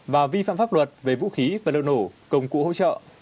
và vi phạm pháp luật về vũ khí và liệu nổ công cụ hỗ trợ